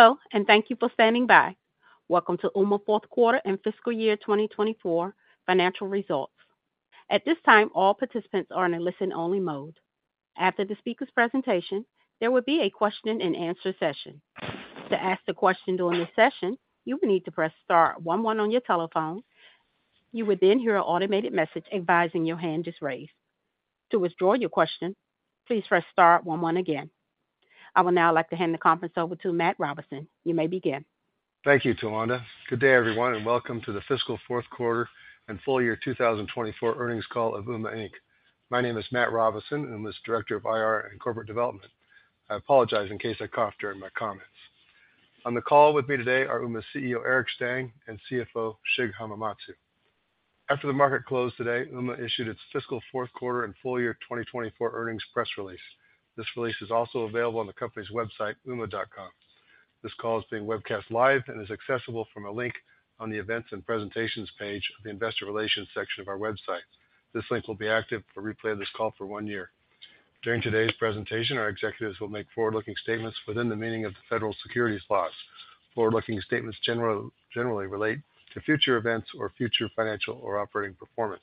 Hello and thank you for standing by. Welcome to Ooma Fourth Quarter and Fiscal Year 2024 Financial Results. At this time, all participants are in a listen-only mode. After the speaker's presentation, there will be a question-and-answer session. To ask the question during this session, you will need to press star 1 1 on your telephone. You will then hear an automated message advising your hand is raised. To withdraw your question, please press star 1 1 again. I would now like to hand the conference over to Matt Robison. You may begin. Thank you, Tawanda. Good day, everyone, and welcome to the Fiscal Fourth Quarter and Full Year 2024 Earnings Call of Ooma, Inc. My name is Matt Robison, Ooma's Director of IR and Corporate Development. I apologize in case I coughed during my comments. On the call with me today are Ooma's CEO, Eric Stang, and CFO, Shig Hamamatsu. After the market closed today, Ooma issued its Fiscal Fourth Quarter and Full Year 2024 Earnings Press Release. This release is also available on the company's website, ooma.com. This call is being webcast live and is accessible from a link on the Events and Presentations page of the Investor Relations section of our website. This link will be active for replay of this call for one year. During today's presentation, our executives will make forward-looking statements within the meaning of the federal securities laws. Forward-looking statements generally relate to future events or future financial or operating performance.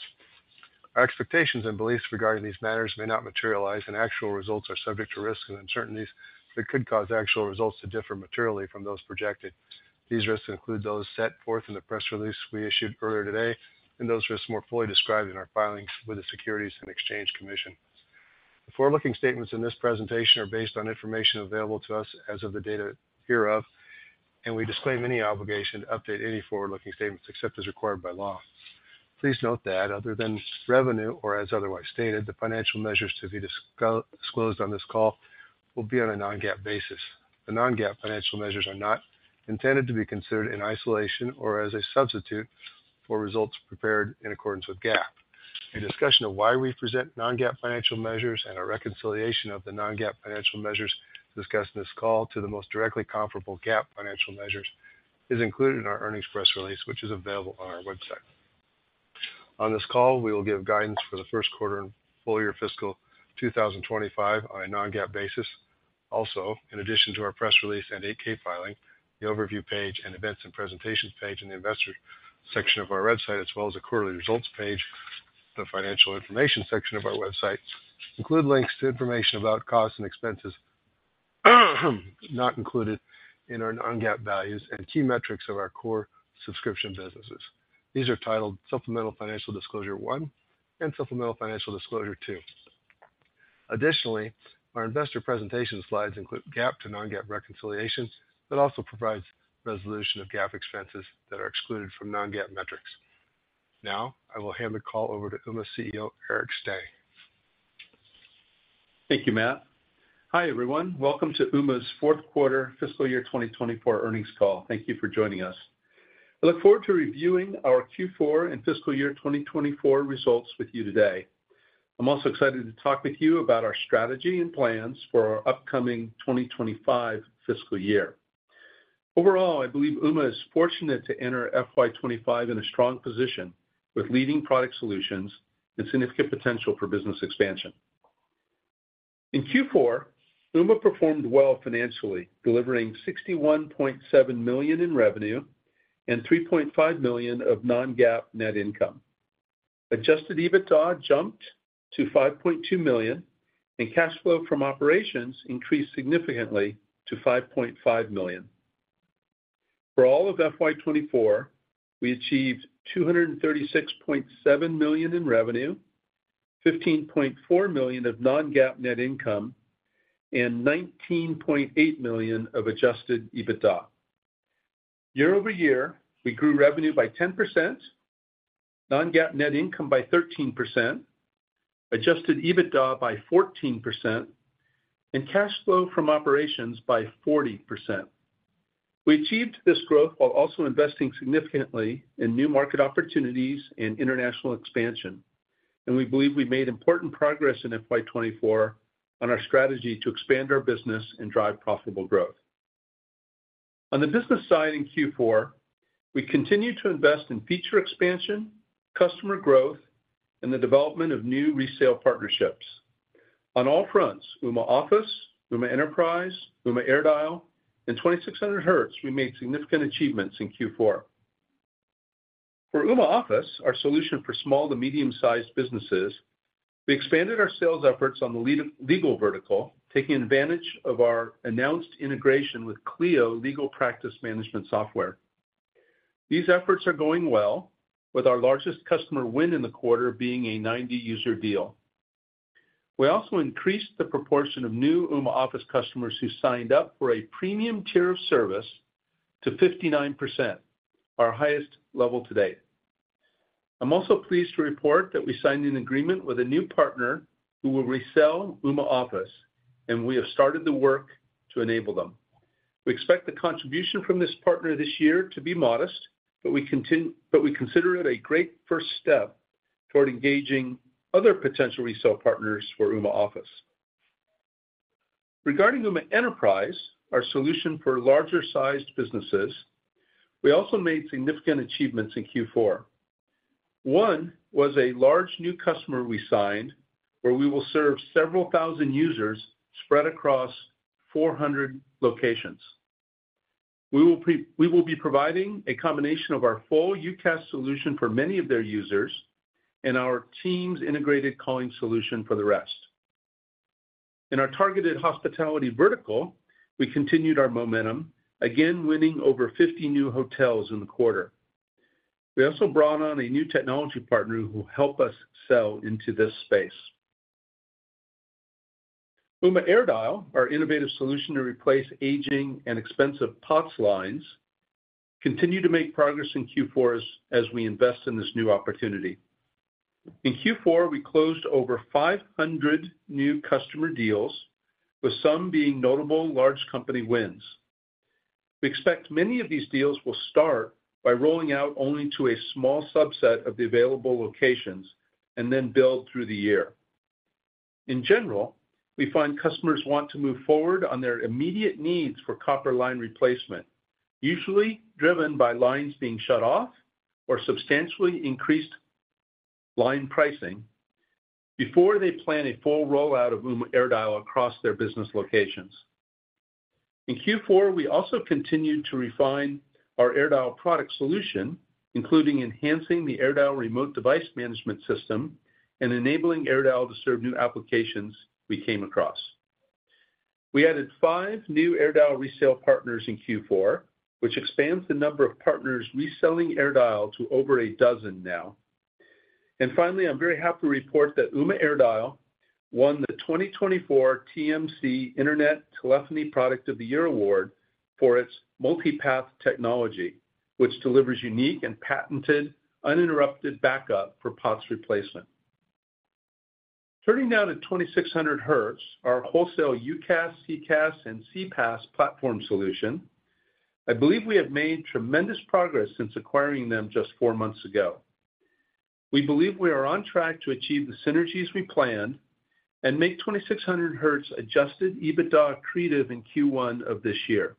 Our expectations and beliefs regarding these matters may not materialize, and actual results are subject to risk and uncertainties that could cause actual results to differ materially from those projected. These risks include those set forth in the press release we issued earlier today and those risks more fully described in our filings with the Securities and Exchange Commission. The forward-looking statements in this presentation are based on information available to us as of the date hereof, and we disclaim any obligation to update any forward-looking statements except as required by law. Please note that, other than revenue or as otherwise stated, the financial measures to be disclosed on this call will be on a Non-GAAP basis. The non-GAAP financial measures are not intended to be considered in isolation or as a substitute for results prepared in accordance with GAAP. A discussion of why we present non-GAAP financial measures and a reconciliation of the non-GAAP financial measures discussed in this call to the most directly comparable GAAP financial measures is included in our Earnings Press Release, which is available on our website. On this call, we will give guidance for the first quarter and full year fiscal 2025 on a non-GAAP basis. Also, in addition to our press release and 8-K filing, the Overview page and Events and Presentations page in the Investor section of our website, as well as the Quarterly Results page, the Financial Information section of our website, include links to information about costs and expenses not included in our non-GAAP values and key metrics of our core subscription businesses. These are titled Supplemental Financial Disclosure 1 and Supplemental Financial Disclosure 2. Additionally, our Investor Presentation slides include GAAP to non-GAAP reconciliation, but also provide resolution of GAAP expenses that are excluded from non-GAAP metrics. Now I will hand the call over to Ooma's CEO, Eric Stang. Thank you, Matt. Hi, everyone. Welcome to Ooma's Fourth Quarter Fiscal Year 2024 Earnings Call. Thank you for joining us. I look forward to reviewing our Q4 and Fiscal Year 2024 results with you today. I'm also excited to talk with you about our strategy and plans for our upcoming 2025 fiscal year. Overall, I believe Ooma is fortunate to enter FY25 in a strong position with leading product solutions and significant potential for business expansion. In Q4, Ooma performed well financially, delivering $61.7 million in revenue and $3.5 million of non-GAAP net income. Adjusted EBITDA jumped to $5.2 million, and cash flow from operations increased significantly to $5.5 million. For all of FY24, we achieved $236.7 million in revenue, $15.4 million of non-GAAP net income, and $19.8 million of adjusted EBITDA. Year-over-year, we grew revenue by 10%, Non-GAAP net income by 13%, Adjusted EBITDA by 14%, and cash flow from operations by 40%. We achieved this growth while also investing significantly in new market opportunities and international expansion, and we believe we made important progress in FY2024 on our strategy to expand our business and drive profitable growth. On the business side in Q4, we continue to invest in feature expansion, customer growth, and the development of new resale partnerships. On all fronts, Ooma Office, Ooma Enterprise, Ooma AirDial, and 2600Hz, we made significant achievements in Q4. For Ooma Office, our solution for small- to medium-sized businesses, we expanded our sales efforts on the legal vertical, taking advantage of our announced integration with Clio Legal Practice Management software. These efforts are going well, with our largest customer win in the quarter being a 90-user deal. We also increased the proportion of new Ooma Office customers who signed up for a premium tier of service to 59%, our highest level to date. I'm also pleased to report that we signed an agreement with a new partner who will resell Ooma Office, and we have started the work to enable them. We expect the contribution from this partner this year to be modest, but we consider it a great first step toward engaging other potential resale partners for Ooma Office. Regarding Ooma Enterprise, our solution for larger-sized businesses, we also made significant achievements in Q4. One was a large new customer we signed where we will serve several thousand users spread across 400 locations. We will be providing a combination of our full UCaaS solution for many of their users and our Teams integrated calling solution for the rest. In our targeted hospitality vertical, we continued our momentum, again winning over 50 new hotels in the quarter. We also brought on a new technology partner who helped us sell into this space. Ooma AirDial, our innovative solution to replace aging and expensive POTS lines, continued to make progress in Q4 as we invest in this new opportunity. In Q4, we closed over 500 new customer deals, with some being notable large company wins. We expect many of these deals will start by rolling out only to a small subset of the available locations and then build through the year. In general, we find customers want to move forward on their immediate needs for copper line replacement, usually driven by lines being shut off or substantially increased line pricing, before they plan a full rollout of Ooma AirDial across their business locations. In Q4, we also continued to refine our AirDial product solution, including enhancing the AirDial Remote Device Management System and enabling AirDial to serve new applications we came across. We added five new AirDial resale partners in Q4, which expands the number of partners reselling AirDial to over a dozen now. Finally, I'm very happy to report that Ooma AirDial won the 2024 TMC Internet Telephony Product of the Year Award for its MultiPath Technology, which delivers unique and patented uninterrupted backup for POTS replacement. Turning now to 2600Hz, our wholesale UCaaS, CCaaS, and CPaaS platform solution, I believe we have made tremendous progress since acquiring them just four months ago. We believe we are on track to achieve the synergies we planned and make 2600Hz adjusted EBITDA creative in Q1 of this year.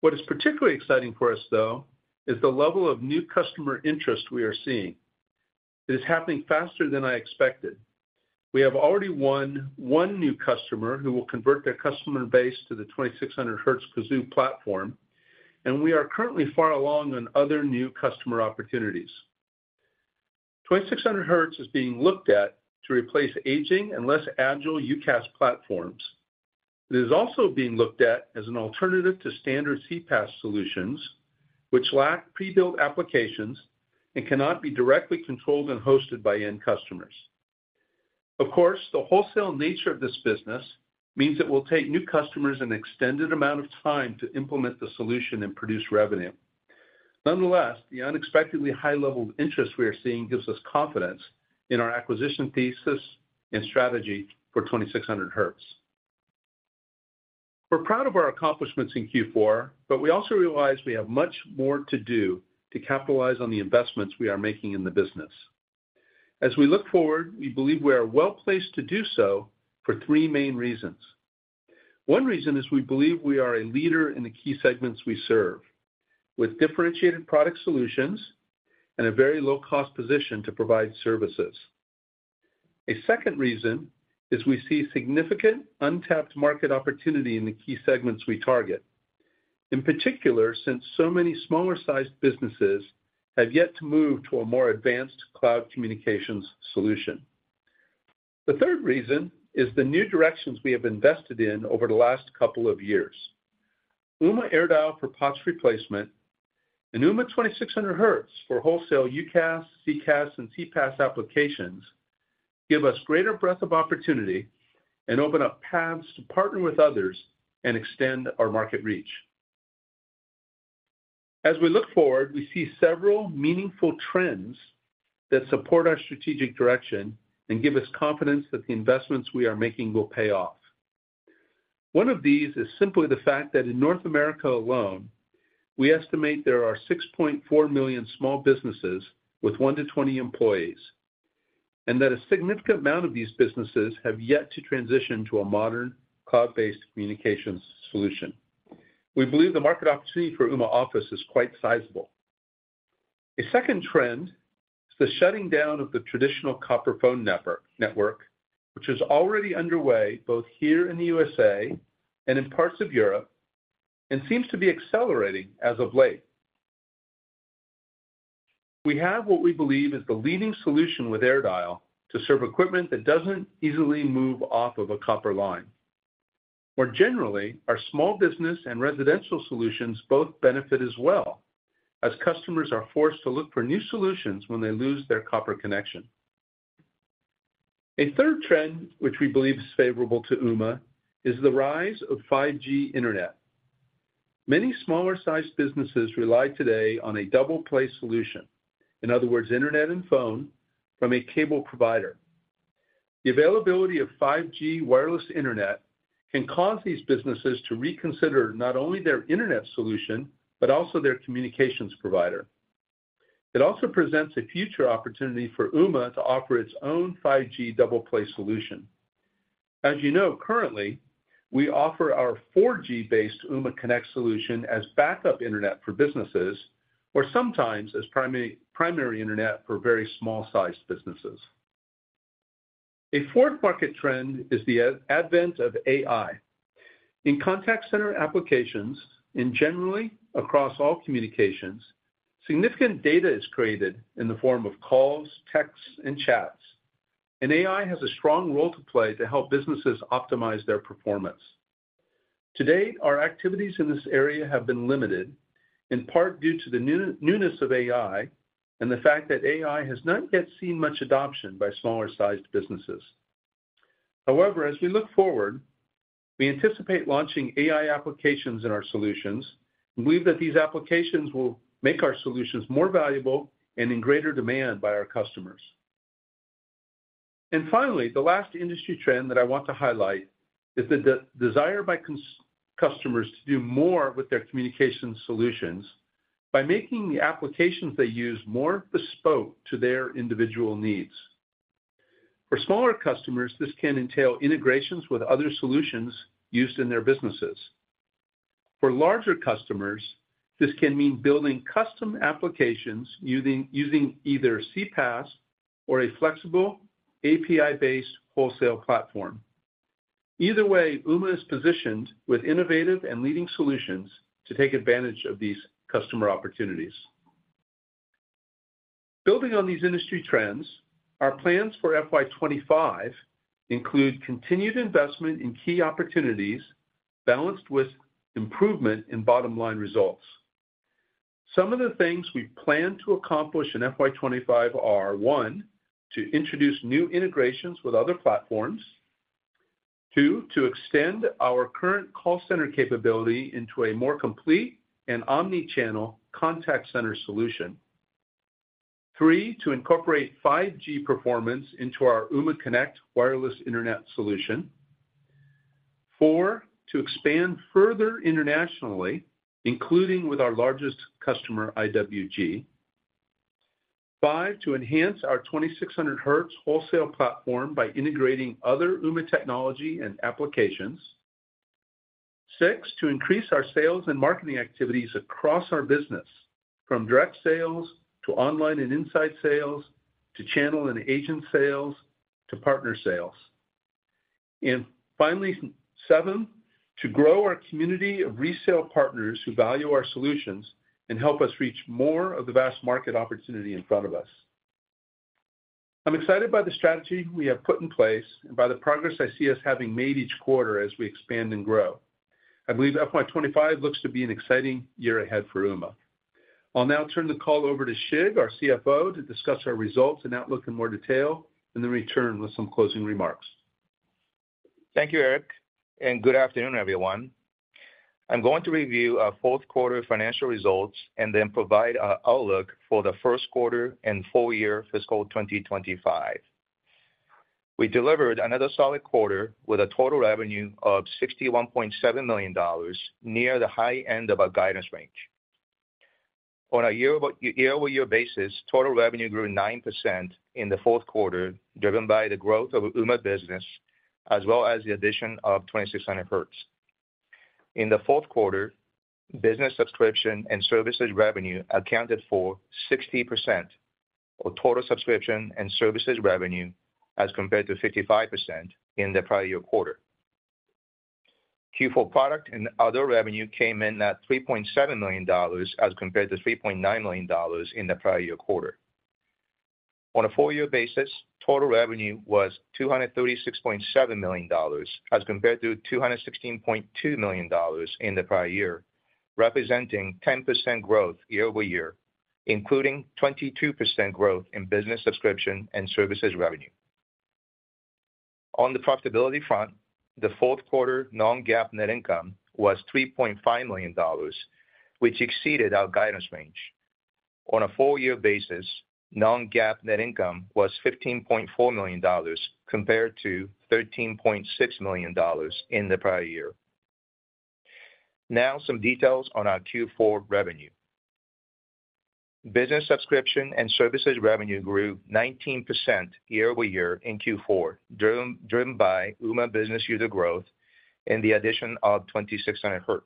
What is particularly exciting for us, though, is the level of new customer interest we are seeing. It is happening faster than I expected. We have already won one new customer who will convert their customer base to the 2600Hz Kazoo platform, and we are currently far along on other new customer opportunities. 2600Hz is being looked at to replace aging and less agile UCaaS platforms. It is also being looked at as an alternative to standard CPaaS solutions, which lack pre-built applications and cannot be directly controlled and hosted by end customers. Of course, the wholesale nature of this business means it will take new customers an extended amount of time to implement the solution and produce revenue. Nonetheless, the unexpectedly high level of interest we are seeing gives us confidence in our acquisition thesis and strategy for 2600Hz. We're proud of our accomplishments in Q4, but we also realize we have much more to do to capitalize on the investments we are making in the business. As we look forward, we believe we are well placed to do so for three main reasons. One reason is we believe we are a leader in the key segments we serve, with differentiated product solutions and a very low-cost position to provide services. A second reason is we see significant untapped market opportunity in the key segments we target, in particular since so many smaller-sized businesses have yet to move to a more advanced cloud communications solution. The third reason is the new directions we have invested in over the last couple of years. Ooma AirDial for POTS replacement and Ooma 2600Hz for wholesale UCaaS, CCaaS, and CPaaS applications give us greater breadth of opportunity and open up paths to partner with others and extend our market reach. As we look forward, we see several meaningful trends that support our strategic direction and give us confidence that the investments we are making will pay off. One of these is simply the fact that in North America alone, we estimate there are 6.4 million small businesses with 1 to 20 employees, and that a significant amount of these businesses have yet to transition to a modern cloud-based communications solution. We believe the market opportunity for Ooma Office is quite sizable. A second trend is the shutting down of the traditional copper phone network, which is already underway both here in the USA and in parts of Europe and seems to be accelerating as of late. We have what we believe is the leading solution with AirDial to serve equipment that doesn't easily move off of a copper line. More generally, our small business and residential solutions both benefit as well, as customers are forced to look for new solutions when they lose their copper connection. A third trend, which we believe is favorable to Ooma, is the rise of 5G internet. Many smaller-sized businesses rely today on a double-play solution, in other words, internet and phone, from a cable provider. The availability of 5G wireless internet can cause these businesses to reconsider not only their internet solution but also their communications provider. It also presents a future opportunity for Ooma to offer its own 5G double-play solution. As you know, currently, we offer our 4G-based Ooma Connect solution as backup internet for businesses or sometimes as primary internet for very small-sized businesses. A fourth market trend is the advent of AI. In contact center applications, and generally across all communications, significant data is created in the form of calls, texts, and chats, and AI has a strong role to play to help businesses optimize their performance. To date, our activities in this area have been limited, in part due to the newness of AI and the fact that AI has not yet seen much adoption by smaller-sized businesses. However, as we look forward, we anticipate launching AI applications in our solutions and believe that these applications will make our solutions more valuable and in greater demand by our customers. And finally, the last industry trend that I want to highlight is the desire by customers to do more with their communications solutions by making the applications they use more bespoke to their individual needs. For smaller customers, this can entail integrations with other solutions used in their businesses. For larger customers, this can mean building custom applications using either CPaaS or a flexible API-based wholesale platform. Either way, Ooma is positioned with innovative and leading solutions to take advantage of these customer opportunities. Building on these industry trends, our plans for FY25 include continued investment in key opportunities balanced with improvement in bottom-line results. Some of the things we plan to accomplish in FY25 are 1, to introduce new integrations with other platforms, 2, to extend our current call center capability into a more complete and omnichannel contact center solution, 3, to incorporate 5G performance into our Ooma Connect wireless internet solution, 4, to expand further internationally, including with our largest customer, IWG, 5, to enhance our 2600Hz wholesale platform by integrating other Ooma technology and applications, 6, to increase our sales and marketing activities across our business, from direct sales to online and inside sales to channel and agent sales to partner sales, and finally, 7, to grow our community of resale partners who value our solutions and help us reach more of the vast market opportunity in front of us. I'm excited by the strategy we have put in place and by the progress I see us having made each quarter as we expand and grow. I believe FY25 looks to be an exciting year ahead for Ooma. I'll now turn the call over to Shig, our CFO, to discuss our results and outlook in more detail and then return with some closing remarks. Thank you, Eric, and good afternoon, everyone. I'm going to review fourth quarter financial results and then provide an outlook for the first quarter and full year fiscal 2025. We delivered another solid quarter with a total revenue of $61.7 million, near the high end of our guidance range. On a year-over-year basis, total revenue grew 9% in the fourth quarter, driven by the growth of Ooma business as well as the addition of 2600Hz. In the fourth quarter, business subscription and services revenue accounted for 60% of total subscription and services revenue as compared to 55% in the prior year quarter. Q4 product and other revenue came in at $3.7 million as compared to $3.9 million in the prior year quarter. On a full year basis, total revenue was $236.7 million as compared to $216.2 million in the prior year, representing 10% growth year-over-year, including 22% growth in business subscription and services revenue. On the profitability front, the fourth quarter non-GAAP net income was $3.5 million, which exceeded our guidance range. On a full year basis, non-GAAP net income was $15.4 million compared to $13.6 million in the prior year. Now some details on our Q4 revenue. Business subscription and services revenue grew 19% year-over-year in Q4, driven by Ooma business user growth and the addition of 2600Hz.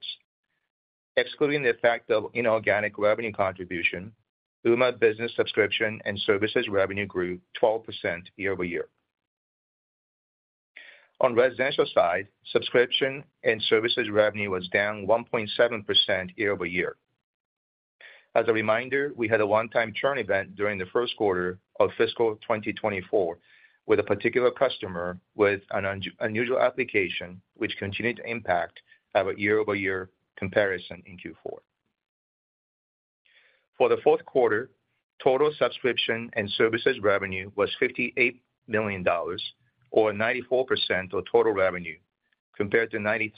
Excluding the fact of inorganic revenue contribution, Ooma business subscription and services revenue grew 12% year-over-year. On the residential side, subscription and services revenue was down 1.7% year-over-year. As a reminder, we had a one-time churn event during the first quarter of fiscal 2024 with a particular customer with an unusual application, which continued to impact our year-over-year comparison in Q4. For the fourth quarter, total subscription and services revenue was $58 million, or 94% of total revenue, compared to 93%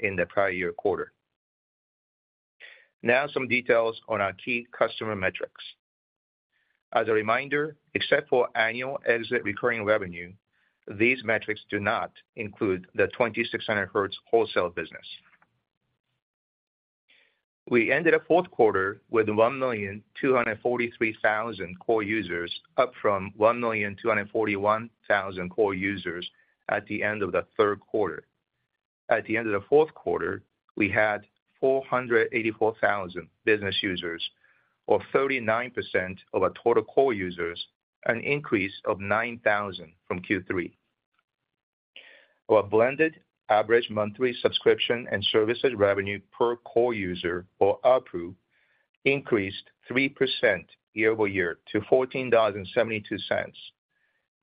in the prior year quarter. Now some details on our key customer metrics. As a reminder, except for annual exit recurring revenue, these metrics do not include the 2600Hz wholesale business. We ended the fourth quarter with 1,243,000 core users, up from 1,241,000 core users at the end of the third quarter. At the end of the fourth quarter, we had 484,000 business users, or 39% of our total core users, an increase of 9,000 from Q3. Our blended average monthly subscription and services revenue per core user, or APU, increased 3% year-over-year to $14.72,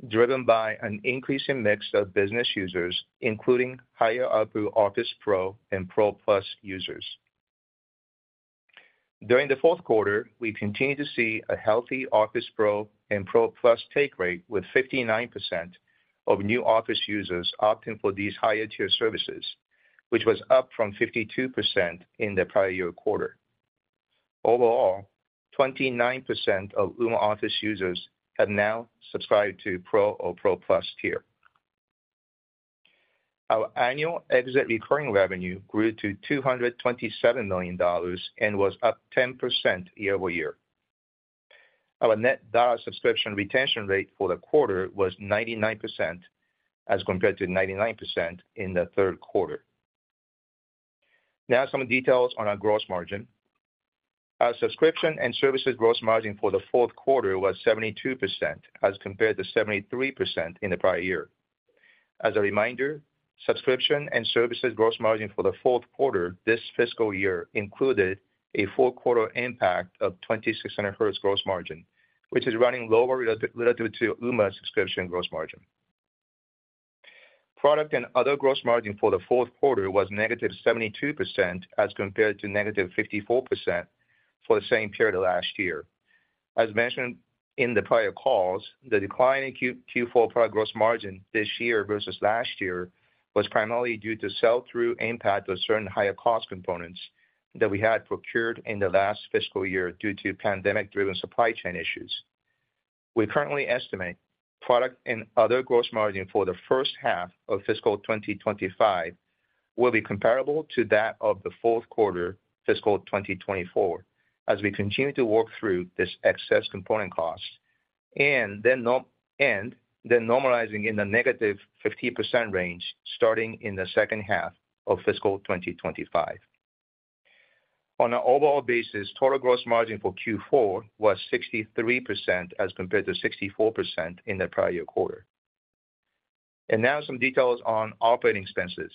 driven by an increasing mix of business users, including higher APU Office Pro and Pro Plus users. During the fourth quarter, we continued to see a healthy Office Pro and Pro Plus take rate with 59% of new Office users opting for these higher-tier services, which was up from 52% in the prior year quarter. Overall, 29% of Ooma Office users have now subscribed to Pro or Pro Plus tier. Our annual exit recurring revenue grew to $227 million and was up 10% year-over-year. Our net DAR subscription retention rate for the quarter was 99%, as compared to 99% in the third quarter. Now some details on our gross margin. Our subscription and services gross margin for the fourth quarter was 72%, as compared to 73% in the prior year. As a reminder, subscription and services gross margin for the fourth quarter this fiscal year included a four-quarter impact of 2600Hz gross margin, which is running lower relative to Ooma subscription gross margin. Product and other gross margin for the fourth quarter was negative 72%, as compared to negative 54% for the same period last year. As mentioned in the prior calls, the decline in Q4 product gross margin this year versus last year was primarily due to sell-through impact of certain higher-cost components that we had procured in the last fiscal year due to pandemic-driven supply chain issues. We currently estimate product and other gross margin for the first half of fiscal 2025 will be comparable to that of the fourth quarter fiscal 2024, as we continue to work through this excess component cost and then normalizing in the -50% range starting in the second half of fiscal 2025. On an overall basis, total gross margin for Q4 was 63%, as compared to 64% in the prior year quarter. And now some details on operating expenses.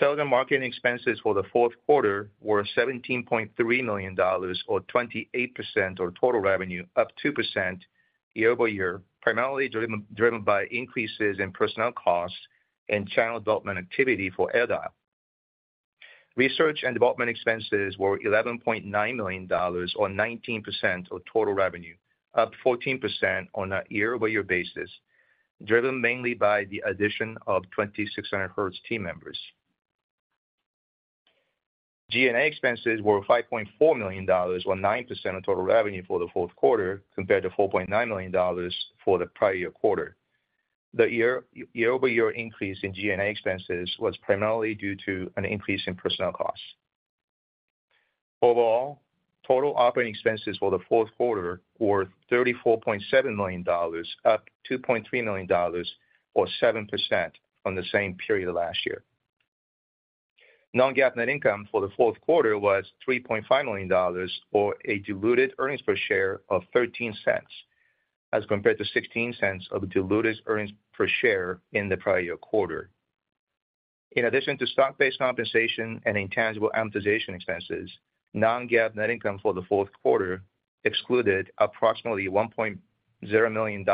Sales and marketing expenses for the fourth quarter were $17.3 million, or 28% of total revenue, up 2% year-over-year, primarily driven by increases in personnel costs and channel development activity for AirDial. Research and development expenses were $11.9 million, or 19% of total revenue, up 14% on a year-over-year basis, driven mainly by the addition of 2600Hz team members. G&A expenses were $5.4 million, or 9% of total revenue for the fourth quarter, compared to $4.9 million for the prior year quarter. The year-over-year increase in G&A expenses was primarily due to an increase in personnel costs. Overall, total operating expenses for the fourth quarter were $34.7 million, up $2.3 million, or 7% from the same period last year. Non-GAAP net income for the fourth quarter was $3.5 million, or a diluted earnings per share of $0.13, as compared to $0.16 of diluted earnings per share in the prior year quarter. In addition to stock-based compensation and intangible amortization expenses, non-GAAP net income for the fourth quarter excluded approximately $1.0 million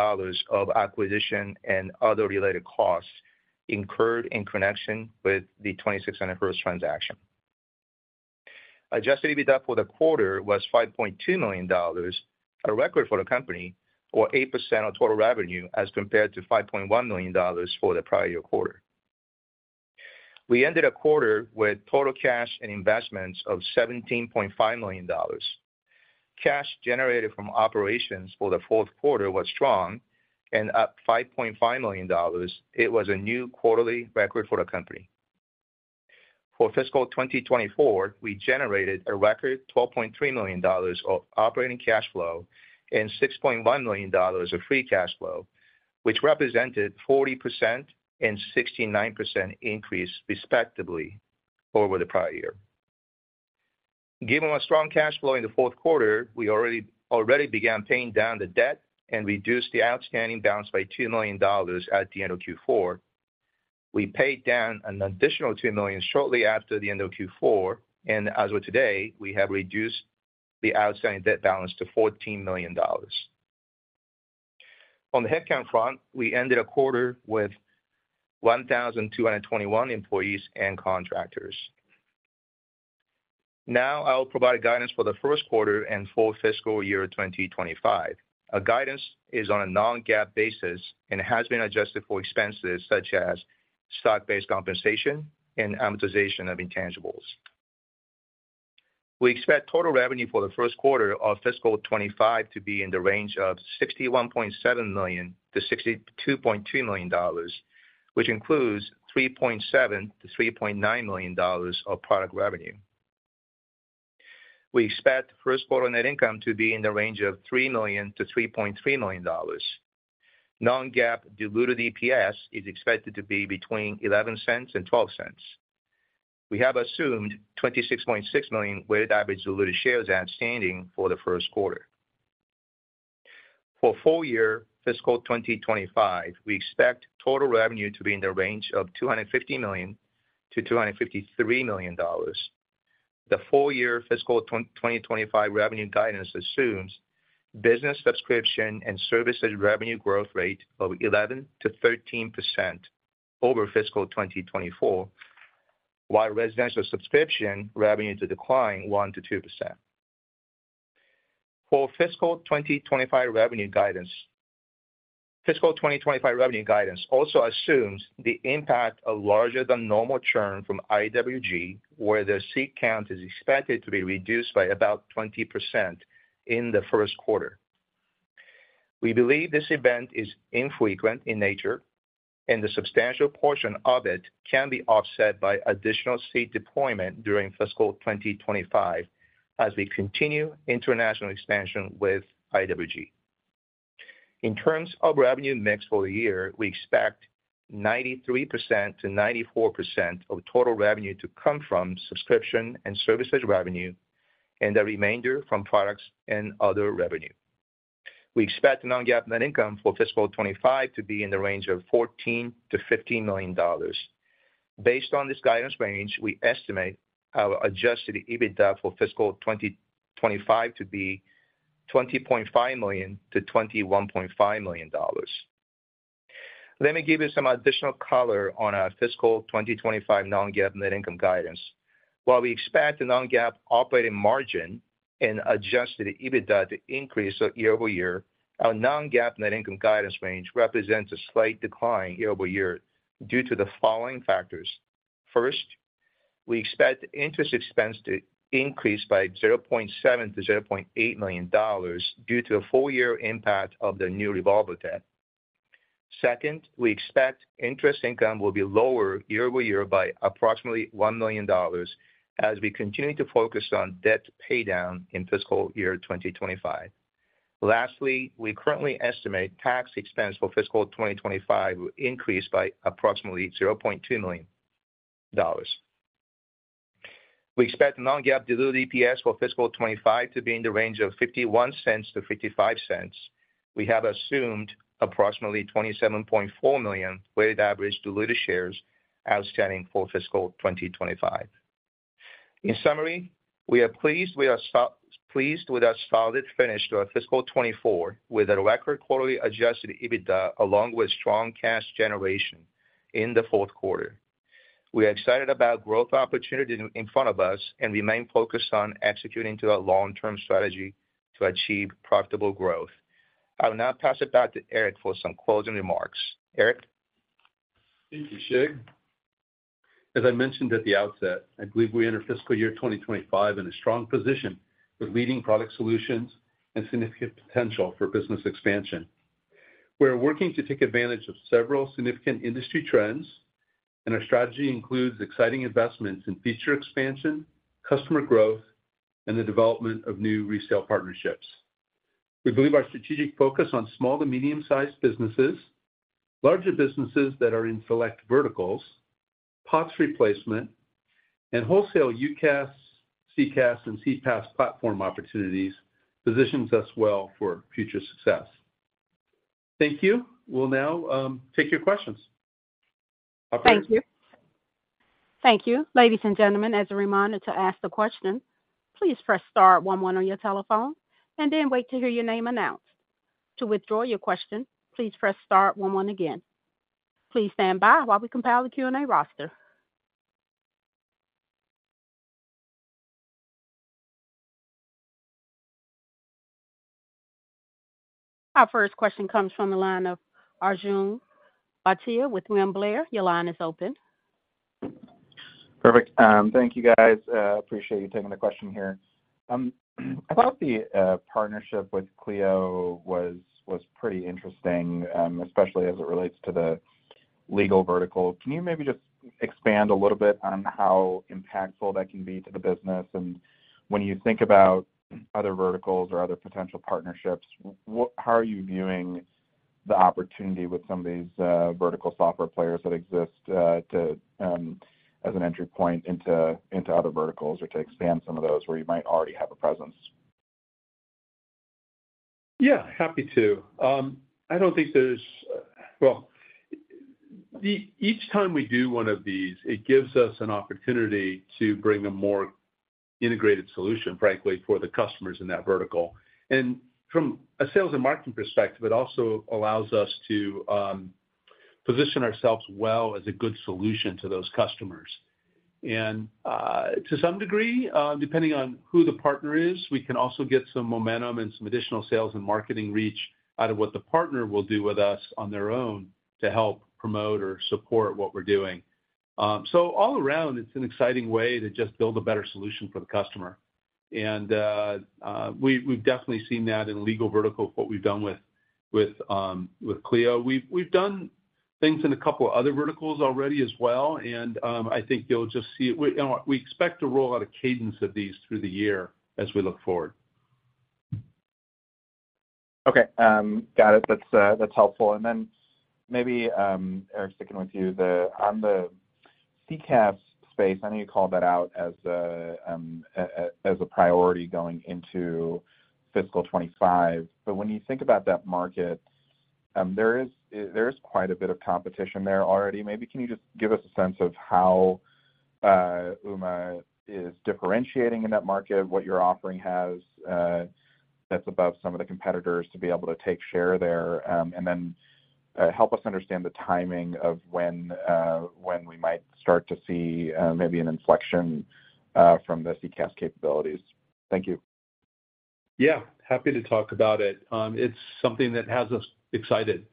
of acquisition and other related costs incurred in connection with the 2600Hz transaction. Adjusted EBITDA for the quarter was $5.2 million, a record for the company, or 8% of total revenue, as compared to $5.1 million for the prior year quarter. We ended the quarter with total cash and investments of $17.5 million. Cash generated from operations for the fourth quarter was strong, and up $5.5 million, it was a new quarterly record for the company. For fiscal 2024, we generated a record $12.3 million of operating cash flow and $6.1 million of free cash flow, which represented 40% and 69% increase, respectively, over the prior year. Given our strong cash flow in the fourth quarter, we already began paying down the debt and reduced the outstanding balance by $2 million at the end of Q4. We paid down an additional $2 million shortly after the end of Q4, and as of today, we have reduced the outstanding debt balance to $14 million. On the headcount front, we ended the quarter with 1,221 employees and contractors. Now I will provide guidance for the first quarter and full fiscal year 2025. Our guidance is on a Non-GAAP basis and has been adjusted for expenses such as stock-based compensation and amortization of intangibles. We expect total revenue for the first quarter of fiscal 2025 to be in the range of $61.7 million-$62.2 million, which includes $3.7-$3.9 million of product revenue. We expect first quarter net income to be in the range of $3 million-$3.3 million. Non-GAAP diluted EPS is expected to be between $0.11 and $0.12. We have assumed $26.6 million weighted average diluted shares outstanding for the first quarter. For full year fiscal 2025, we expect total revenue to be in the range of $250-$253 million. The full year fiscal 2025 revenue guidance assumes business subscription and services revenue growth rate of 11%-13% over fiscal 2024, while residential subscription revenue to decline 1%-2%. For fiscal 2025 revenue guidance, fiscal 2025 revenue guidance also assumes the impact of larger-than-normal churn from IWG, where the seat count is expected to be reduced by about 20% in the first quarter. We believe this event is infrequent in nature, and a substantial portion of it can be offset by additional seat deployment during fiscal 2025 as we continue international expansion with IWG. In terms of revenue mix for the year, we expect 93%-94% of total revenue to come from subscription and services revenue and the remainder from products and other revenue. We expect Non-GAAP net income for fiscal 2025 to be in the range of $14-$15 million. Based on this guidance range, we estimate our adjusted EBITDA for fiscal 2025 to be $20.5 million-$21.5 million. Let me give you some additional color on our fiscal 2025 non-GAAP net income guidance. While we expect the non-GAAP operating margin and adjusted EBITDA to increase year-over-year, our non-GAAP net income guidance range represents a slight decline year-over-year due to the following factors. First, we expect interest expense to increase by $0.7-$0.8 million due to the full-year impact of the new revolver debt. Second, we expect interest income will be lower year-over-year by approximately $1 million as we continue to focus on debt paydown in fiscal year 2025. Lastly, we currently estimate tax expense for fiscal 2025 will increase by approximately $0.2 million. We expect non-GAAP diluted EPS for fiscal 2025 to be in the range of $0.51-$0.55. We have assumed approximately $27.4 million weighted average diluted shares outstanding for fiscal 2025. In summary, we are pleased with our solid finish to our fiscal 2024 with a record quarterly Adjusted EBITDA along with strong cash generation in the fourth quarter. We are excited about growth opportunities in front of us and remain focused on executing to our long-term strategy to achieve profitable growth. I will now pass it back to Eric for some closing remarks. Eric? Thank you, Shigi. As I mentioned at the outset, I believe we enter fiscal year 2025 in a strong position with leading product solutions and significant potential for business expansion. We are working to take advantage of several significant industry trends, and our strategy includes exciting investments in feature expansion, customer growth, and the development of new resale partnerships. We believe our strategic focus on small to medium-sized businesses, larger businesses that are in select verticals, POTS replacement, and wholesale UCaaS, CCaaS, and CPaaS platform opportunities positions us well for future success. Thank you. We'll now take your questions. Thank you. Thank you. Ladies and gentlemen, as a reminder to ask the question, please press star 1 1 on your telephone and then wait to hear your name announced. To withdraw your question, please press star 1 1 again. Please stand by while we compile the Q&A roster. Our first question comes from the line of Arjun Bhatia with William Blair. Your line is open. Perfect. Thank you, guys. Appreciate you taking the question here. I thought the partnership with Clio was pretty interesting, especially as it relates to the legal vertical. Can you maybe just expand a little bit on how impactful that can be to the business? And when you think about other verticals or other potential partnerships, how are you viewing the opportunity with some of these vertical software players that exist as an entry point into other verticals or to expand some of those where you might already have a presence? Yeah, happy to. I don't think there's, well, each time we do one of these, it gives us an opportunity to bring a more integrated solution, frankly, for the customers in that vertical. And from a sales and marketing perspective, it also allows us to position ourselves well as a good solution to those customers. And to some degree, depending on who the partner is, we can also get some momentum and some additional sales and marketing reach out of what the partner will do with us on their own to help promote or support what we're doing. So all around, it's an exciting way to just build a better solution for the customer. And we've definitely seen that in legal verticals, what we've done with Clio. We've done things in a couple of other verticals already as well, and I think you'll just see it we expect to roll out a cadence of these through the year as we look forward. Okay. Got it. That's helpful. And then maybe, Eric, sticking with you, on the CCaaS space, I know you called that out as a priority going into fiscal 2025. But when you think about that market, there is quite a bit of competition there already. Maybe can you just give us a sense of how Ooma is differentiating in that market, what your offering has that's above some of the competitors to be able to take share there, and then help us understand the timing of when we might start to see maybe an inflection from the CCaaS capabilities? Thank you. Yeah, happy to talk about it. It's something that has us excited.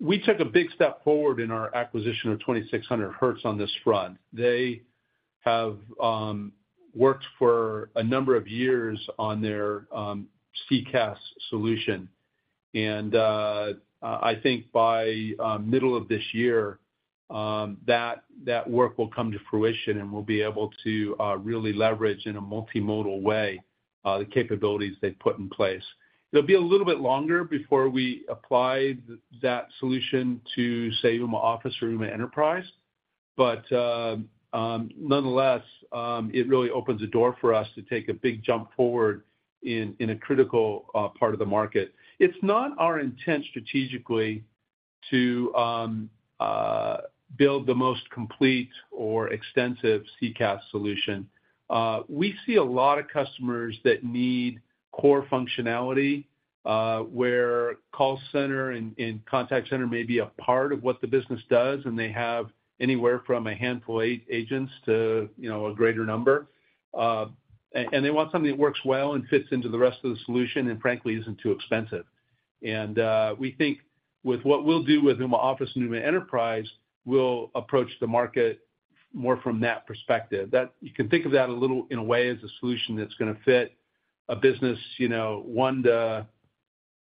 We took a big step forward in our acquisition of 2600Hz on this front. They have worked for a number of years on their CCaaS solution. And I think by middle of this year, that work will come to fruition, and we'll be able to really leverage in a multimodal way the capabilities they've put in place. It'll be a little bit longer before we apply that solution to, say, Ooma Office or Ooma Enterprise. But nonetheless, it really opens a door for us to take a big jump forward in a critical part of the market. It's not our intent strategically to build the most complete or extensive CCaaS solution. We see a lot of customers that need core functionality where call center and contact center may be a part of what the business does, and they have anywhere from a handful of agents to a greater number. And they want something that works well and fits into the rest of the solution and, frankly, isn't too expensive. And we think with what we'll do with Ooma Office and Ooma Enterprise, we'll approach the market more from that perspective. You can think of that a little in a way as a solution that's going to fit a business, one to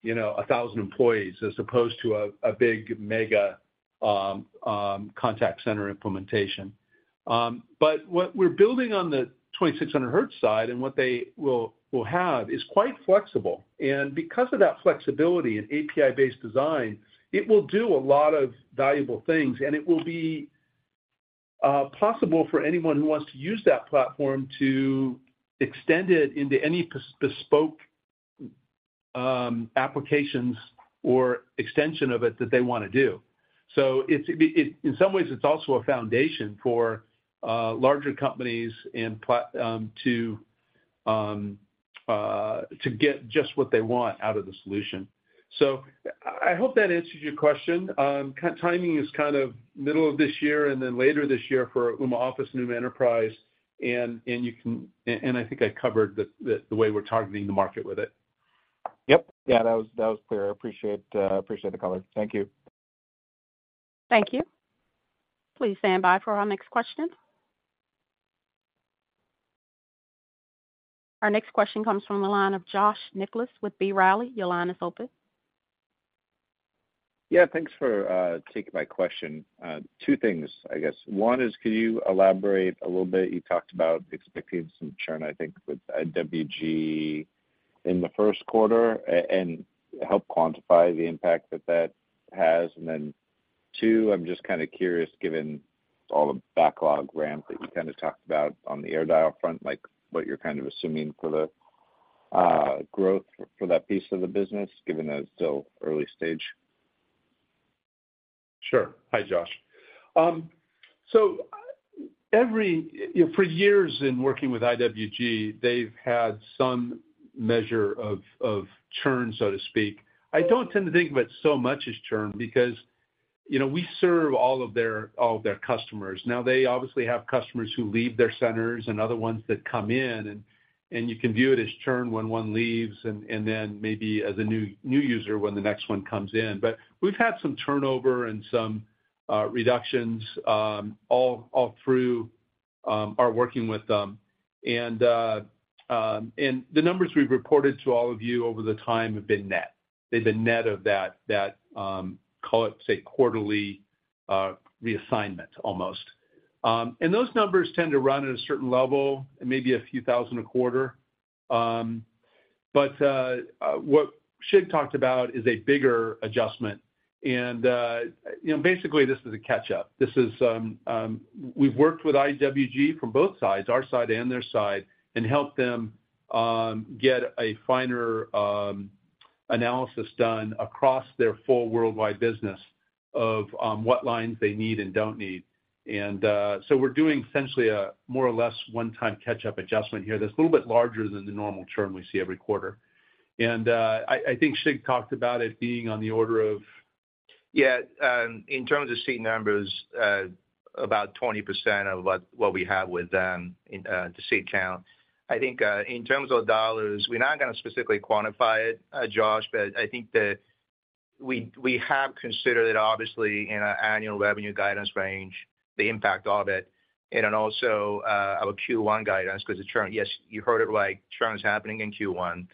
1,000 employees, as opposed to a big mega contact center implementation. But what we're building on the 2600Hz side and what they will have is quite flexible. And because of that flexibility and API-based design, it will do a lot of valuable things, and it will be possible for anyone who wants to use that platform to extend it into any bespoke applications or extension of it that they want to do. So in some ways, it's also a foundation for larger companies to get just what they want out of the solution. So I hope that answers your question. Timing is kind of middle of this year and then later this year for Ooma Office and Ooma Enterprise, and I think I covered the way we're targeting the market with it. Yep. Yeah, that was clear. I appreciate the color. Thank you. Thank you. Please stand by for our next question. Our next question comes from the line of Josh Nichols with B. Riley. Your line is open. Yeah, thanks for taking my question. Two things, I guess. One is, could you elaborate a little bit? You talked about expecting some churn, I think, with IWG in the first quarter and help quantify the impact that that has. And then two, I'm just kind of curious, given all the backlog ramp that you kind of talked about on the AirDial front, what you're kind of assuming for the growth for that piece of the business, given that it's still early stage. Sure. Hi, Josh. So for years in working with IWG, they've had some measure of churn, so to speak. I don't tend to think of it so much as churn because we serve all of their customers. Now, they obviously have customers who leave their centers and other ones that come in, and you can view it as churn when one leaves and then maybe as a new user when the next one comes in. But we've had some turnover and some reductions all through our working with them. And the numbers we've reported to all of you over the time have been net. They've been net of that, call it, say, quarterly reassignment almost. And those numbers tend to run at a certain level, maybe a few thousand a quarter. But what Shig talked about is a bigger adjustment. And basically, this is a catch-up. We've worked with IWG from both sides, our side and their side, and helped them get a finer analysis done across their full worldwide business of what lines they need and don't need. And so we're doing essentially a more or less one-time catch-up adjustment here that's a little bit larger than the normal churn we see every quarter. And I think Shig talked about it being on the order of. Yeah. In terms of seat numbers, about 20% of what we have with them to seat count. I think in terms of dollars, we're not going to specifically quantify it, Josh, but I think that we have considered, obviously, in our annual revenue guidance range, the impact of it and also our Q1 guidance because it's churn. Yes, you heard it right. Churn is happening in Q1.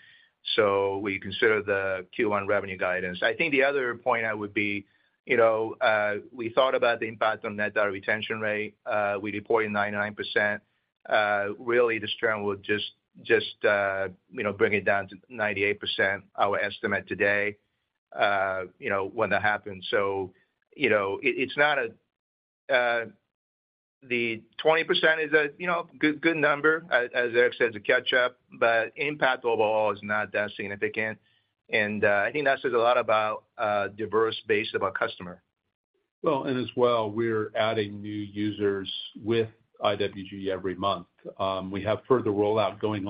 So we consider the Q1 revenue guidance. I think the other point would be we thought about the impact on net dollar retention rate. We reported 99%. Really, this churn will just bring it down to 98%, our estimate today, when that happens. So it's not that the 20% is a good number, as Eric said, it's a catch-up, but impact overall is not that significant. And I think that says a lot about diverse base of our customer. Well, and as well, we're adding new users with IWG every month. We have further rollout going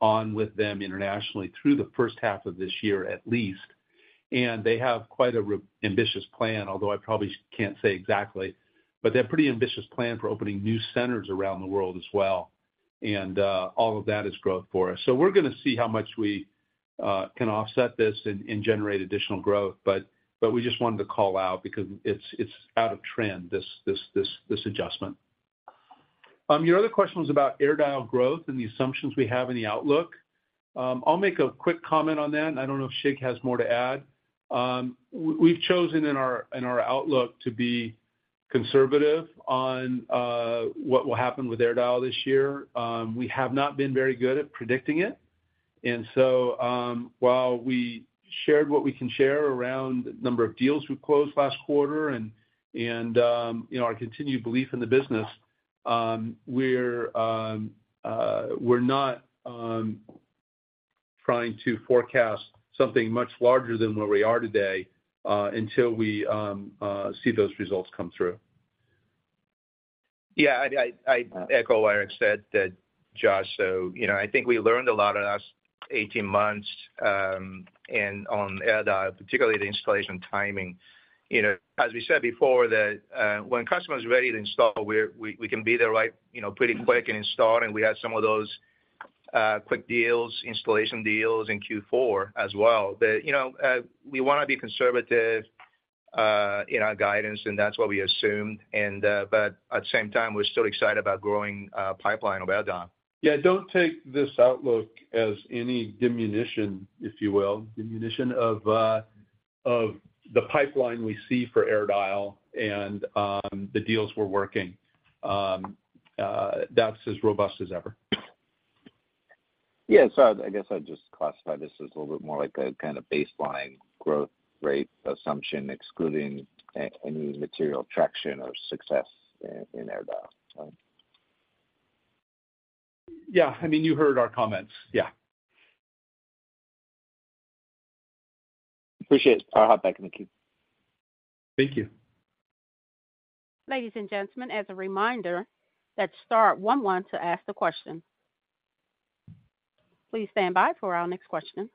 on with them internationally through the first half of this year, at least. And they have quite an ambitious plan, although I probably can't say exactly, but they have a pretty ambitious plan for opening new centers around the world as well. And all of that is growth for us. So we're going to see how much we can offset this and generate additional growth. But we just wanted to call out because it's out of trend, this adjustment. Your other question was about AirDial growth and the assumptions we have in the outlook. I'll make a quick comment on that. I don't know if Shig has more to add. We've chosen in our outlook to be conservative on what will happen with AirDial this year. We have not been very good at predicting it. And so while we shared what we can share around the number of deals we've closed last quarter and our continued belief in the business, we're not trying to forecast something much larger than where we are today until we see those results come through. Yeah, I echo what Eric said, Josh. So I think we learned a lot in the last 18 months and on AirDial, particularly the installation timing. As we said before, when customer is ready to install, we can be there pretty quick and install. And we had some of those quick installation deals in Q4 as well. But we want to be conservative in our guidance, and that's what we assumed. But at the same time, we're still excited about growing pipeline of AirDial. Yeah, don't take this outlook as any diminution, if you will, diminution of the pipeline we see for AirDial and the deals we're working. That's as robust as ever. Yeah. So I guess I'd just classify this as a little bit more like a kind of baseline growth rate assumption, excluding any material traction or success in AirDial, right? Yeah. I mean, you heard our comments. Yeah. Appreciate it. I'll hop back in the queue. Thank you. Ladies and gentlemen, as a reminder that star 1 1 to ask the question. Please stand by for our next question.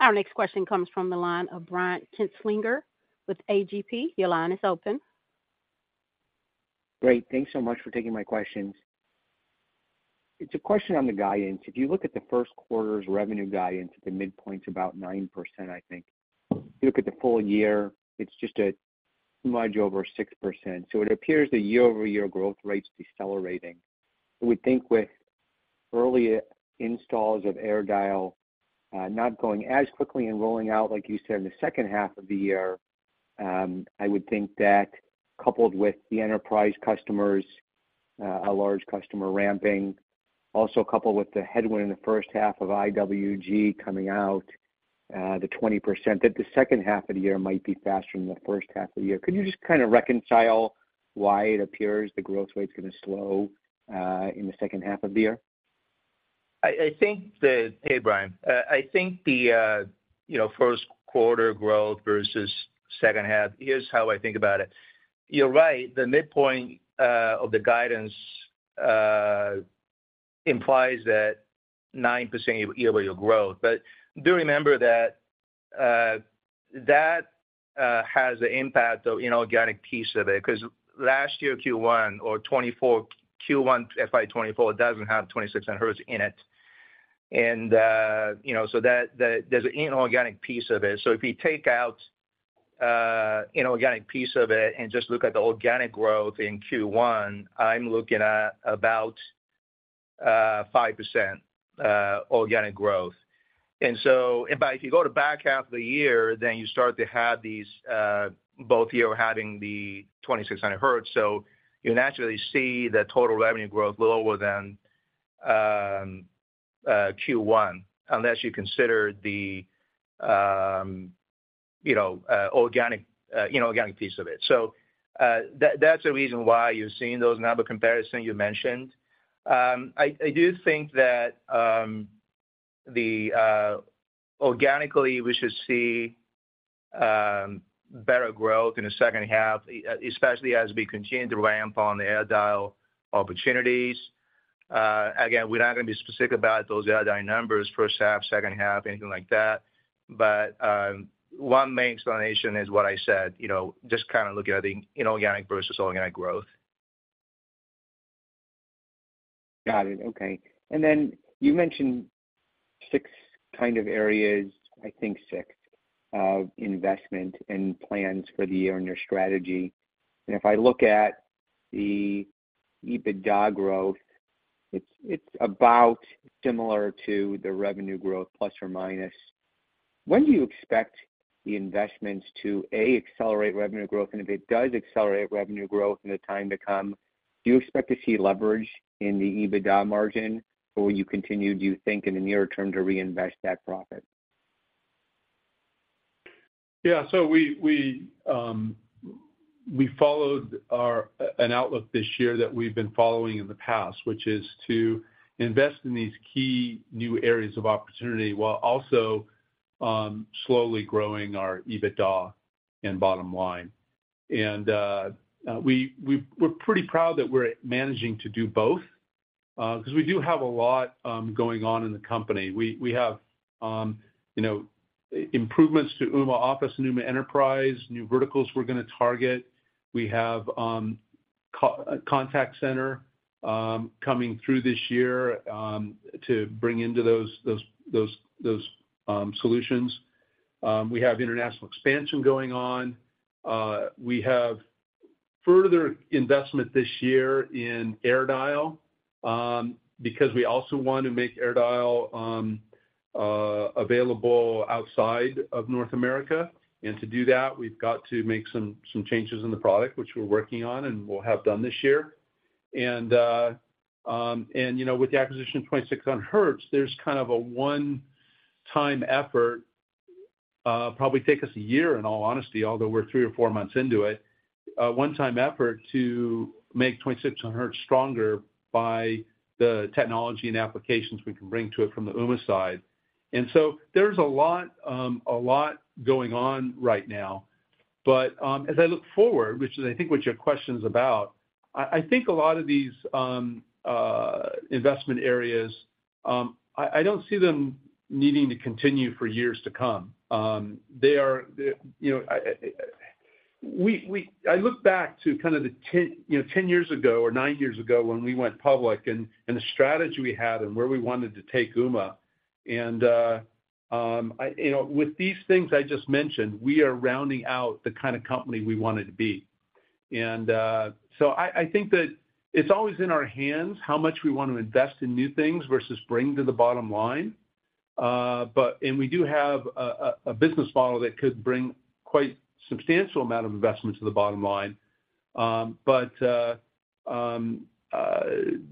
Our next question comes from the line of Brian Kinstlinger with AGP. Your line is open. Great. Thanks so much for taking my questions. It's a question on the guidance. If you look at the first quarter's revenue guidance, at the midpoint, it's about 9%, I think. If you look at the full year, it's just a smidge over 6%. So it appears the year-over-year growth rate's decelerating. We think with early installs of AirDial not going as quickly and rolling out, like you said, in the second half of the year, I would think that coupled with the enterprise customers, a large customer ramping, also coupled with the headwind in the first half of IWG coming out, the 20%, that the second half of the year might be faster than the first half of the year. Could you just kind of reconcile why it appears the growth rate's going to slow in the second half of the year? Hey, Brian. I think the first quarter growth versus second half. Here's how I think about it. You're right. The midpoint of the guidance implies that 9% year-over-year growth. But do remember that that has the impact of inorganic piece of it because last year, Q1 FY2024, it doesn't have 2600Hz in it. And so there's an inorganic piece of it. So if we take out inorganic piece of it and just look at the organic growth in Q1, I'm looking at about 5% organic growth. And if you go to back half of the year, then you start to have these both year having the 2600Hz. So you naturally see the total revenue growth lower than Q1 unless you consider the organic piece of it. So that's the reason why you're seeing those number comparisons you mentioned. I do think that organically, we should see better growth in the second half, especially as we continue to ramp on the AirDial opportunities. Again, we're not going to be specific about those AirDial numbers, first half, second half, anything like that. But one main explanation is what I said, just kind of looking at the inorganic versus organic growth. Got it. Okay. And then you mentioned six kind of areas, I think six, of investment and plans for the year and your strategy. And if I look at the EBITDA growth, it's about similar to the revenue growth, plus or minus. When do you expect the investments to, A, accelerate revenue growth? And if it does accelerate revenue growth in the time to come, do you expect to see leverage in the EBITDA margin, or will you continue, do you think, in the near term to reinvest that profit? Yeah. So we followed an outlook this year that we've been following in the past, which is to invest in these key new areas of opportunity while also slowly growing our EBITDA and bottom line. And we're pretty proud that we're managing to do both because we do have a lot going on in the company. We have improvements to Ooma Office and Ooma Enterprise, new verticals we're going to target. We have a contact center coming through this year to bring into those solutions. We have international expansion going on. We have further investment this year in AirDial because we also want to make AirDial available outside of North America. And to do that, we've got to make some changes in the product, which we're working on and will have done this year. And with the acquisition of 2600Hz, there's kind of a one-time effort, probably take us a year, in all honesty, although we're three or four months into it, one-time effort to make 2600Hz stronger by the technology and applications we can bring to it from the Ooma side. And so there's a lot going on right now. But as I look forward, which is, I think, what your question is about, I think a lot of these investment areas, I don't see them needing to continue for years to come. They are. I look back to kind of the 10 years ago or nine years ago when we went public and the strategy we had and where we wanted to take Ooma. With these things I just mentioned, we are rounding out the kind of company we wanted to be. So I think that it's always in our hands how much we want to invest in new things versus bring to the bottom line. And we do have a business model that could bring quite a substantial amount of investment to the bottom line. But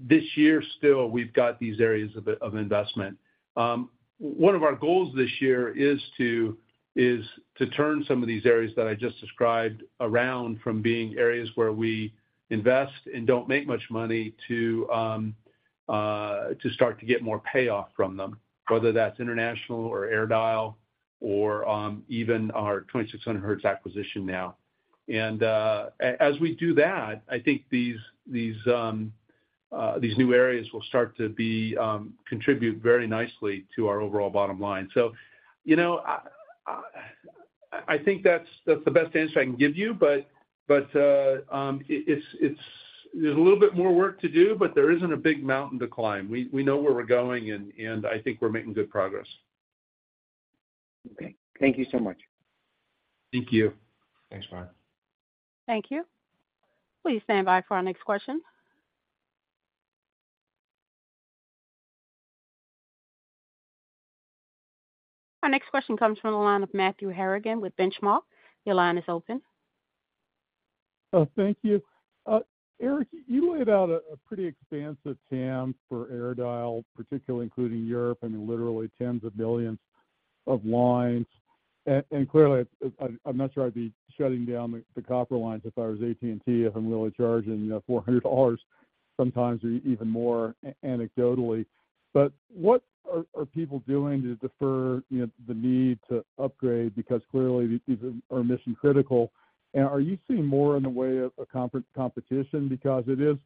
this year, still, we've got these areas of investment. One of our goals this year is to turn some of these areas that I just described around from being areas where we invest and don't make much money to start to get more payoff from them, whether that's international or AirDial or even our 2600Hz acquisition now. And as we do that, I think these new areas will start to contribute very nicely to our overall bottom line. So I think that's the best answer I can give you. But there's a little bit more work to do, but there isn't a big mountain to climb. We know where we're going, and I think we're making good progress. Okay. Thank you so much. Thank you. Thanks, Brian. Thank you. Please stand by for our next question. Our next question comes from the line of Matthew Harrigan with Benchmark. Your line is open. Thank you. Eric, you laid out a pretty expansive TAM for air dial, particularly including Europe, I mean, literally tens of millions of lines. And clearly, I'm not sure I'd be shutting down the copper lines if I was AT&T, if I'm really charging $400 sometimes or even more anecdotally. But what are people doing to defer the need to upgrade because clearly, these are mission-critical? Are you seeing more in the way of competition because it is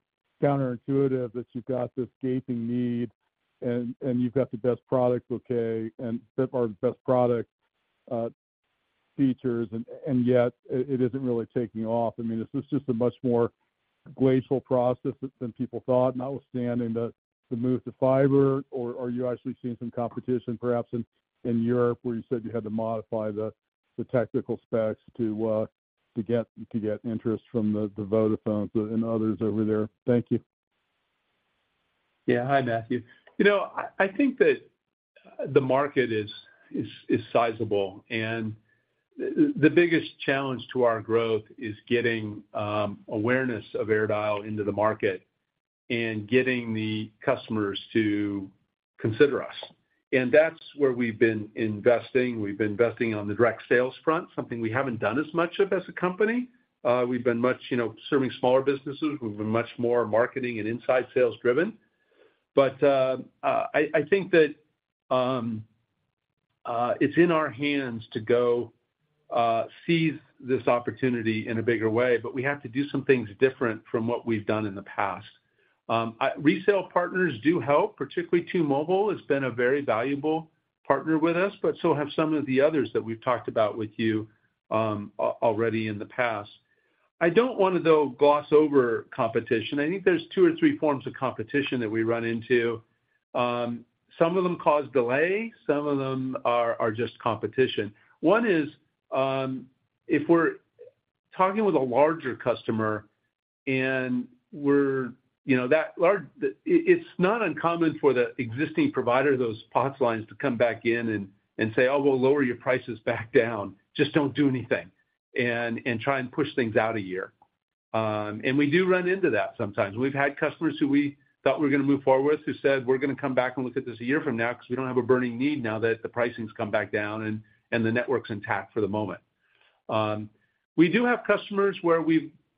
counterintuitive that you've got this gaping need, and you've got the best product bouquet or best product features, and yet it isn't really taking off? I mean, is this just a much more glacial process than people thought, notwithstanding the move to fiber? Or are you actually seeing some competition, perhaps, in Europe where you said you had to modify the technical specs to get interest from the Vodafones and others over there? Thank you. Yeah. Hi, Matthew. I think that the market is sizable. The biggest challenge to our growth is getting awareness of AirDial into the market and getting the customers to consider us. And that's where we've been investing. We've been investing on the direct sales front, something we haven't done as much of as a company. We've been much serving smaller businesses. We've been much more marketing and inside sales-driven. But I think that it's in our hands to go seize this opportunity in a bigger way. But we have to do some things different from what we've done in the past. Resale partners do help, particularly T-Mobile has been a very valuable partner with us, but so have some of the others that we've talked about with you already in the past. I don't want to, though, gloss over competition. I think there's two or three forms of competition that we run into. Some of them cause delay. Some of them are just competition. One is if we're talking with a larger customer and we're that large, it's not uncommon for the existing provider, those POTS lines, to come back in and say, "Oh, we'll lower your prices back down. Just don't do anything," and try and push things out a year. We do run into that sometimes. We've had customers who we thought we were going to move forward with who said, "We're going to come back and look at this a year from now because we don't have a burning need now that the pricing's come back down and the network's intact for the moment." We do have customers where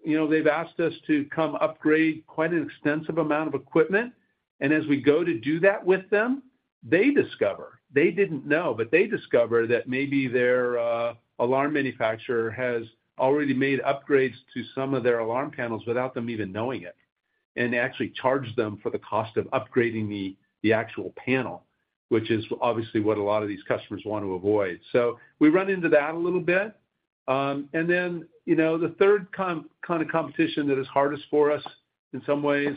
they've asked us to come upgrade quite an extensive amount of equipment. As we go to do that with them, they discover. They didn't know, but they discover that maybe their alarm manufacturer has already made upgrades to some of their alarm panels without them even knowing it and actually charged them for the cost of upgrading the actual panel, which is obviously what a lot of these customers want to avoid. We run into that a little bit. Then the third kind of competition that is hardest for us in some ways,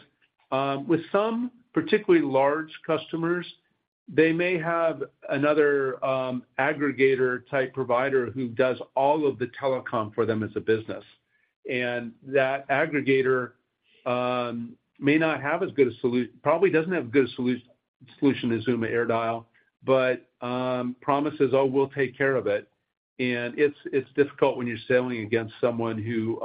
with some particularly large customers, they may have another aggregator-type provider who does all of the telecom for them as a business. That aggregator may not have as good a solution probably doesn't have as good a solution as Ooma AirDial but promises, "Oh, we'll take care of it." It's difficult when you're sailing against someone who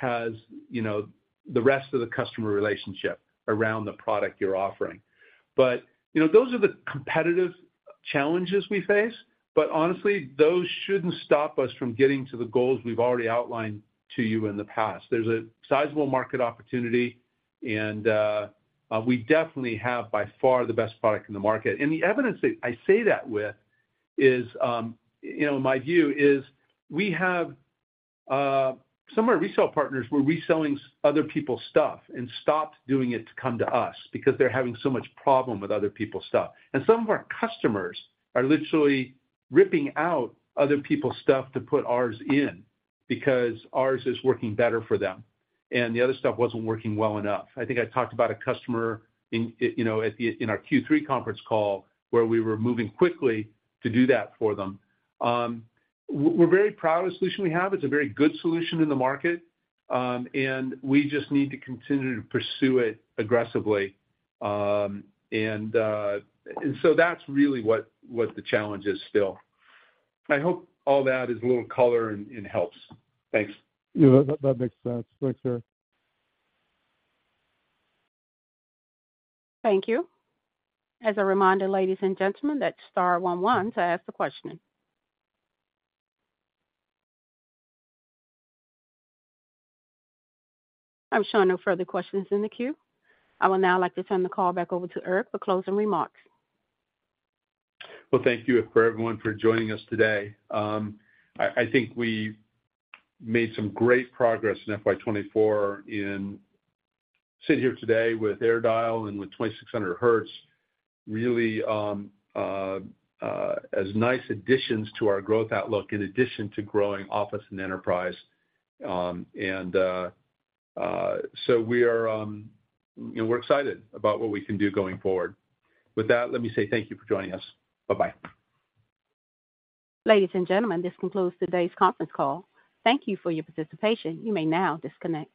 has the rest of the customer relationship around the product you're offering. Those are the competitive challenges we face. Honestly, those shouldn't stop us from getting to the goals we've already outlined to you in the past. There's a sizable market opportunity, and we definitely have, by far, the best product in the market. The evidence that I say that with, in my view, is some of our resale partners. We're reselling other people's stuff and stopped doing it to come to us because they're having so much problem with other people's stuff. Some of our customers are literally ripping out other people's stuff to put ours in because ours is working better for them, and the other stuff wasn't working well enough. I think I talked about a customer in our Q3 conference call where we were moving quickly to do that for them. We're very proud of the solution we have. It's a very good solution in the market, and we just need to continue to pursue it aggressively. So that's really what the challenge is still. I hope all that is a little color and helps. Thanks. Yeah. That makes sense. Thanks, Eric. Thank you. As a reminder, ladies and gentlemen, that's star 11 to ask the question. I'm showing no further questions in the queue. I would now like to turn the call back over to Eric for closing remarks. Well, thank you for everyone for joining us today. I think we made some great progress in FY24 in sitting here today with AirDial and with 2600Hz, really as nice additions to our growth outlook in addition to growing Office and Enterprise. And so we're excited about what we can do going forward. With that, let me say thank you for joining us. Bye-bye. Ladies and gentlemen, this concludes today's conference call. Thank you for your participation. You may now disconnect.